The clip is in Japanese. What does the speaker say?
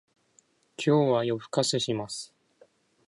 今日は夜更かしします